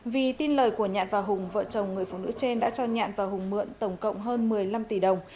vì tin lời của nhạn và hùng vợ chồng người phụ nữ trên đã cho nhạn và hùng mượn tổng cộng hơn một mươi năm tỷ đồng